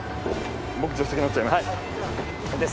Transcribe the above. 僕助手席乗っちゃいます。